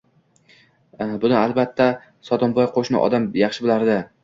Buni albatta Sotimboy, qoʻshni odam, yaxshi bilardi.